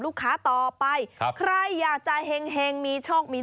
สวัสดีครับสวัสดีครับ